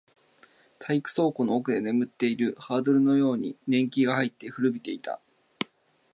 体育倉庫の奥で眠っているハードルのように年季が入って、古びていた